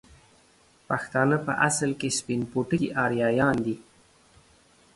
پښتانه په اصل کې سپين پوټکي اريايان دي